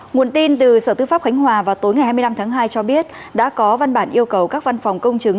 nguồn tin từ sở tư pháp khánh hòa vào tối ngày hai mươi năm tháng hai cho biết đã có văn bản yêu cầu các văn phòng công chứng